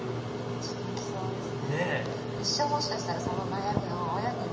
ちょっと泣きそうですね。